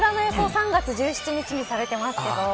３月１７日にされてますけど。